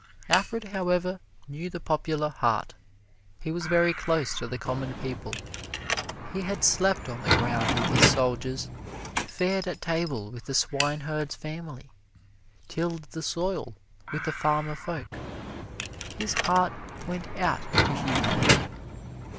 Alfred, however, knew the popular heart he was very close to the common people. He had slept on the ground with his soldiers, fared at table with the swineherd's family, tilled the soil with the farmer folk. His heart went out to humanity.